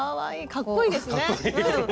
かっこいいですねうん。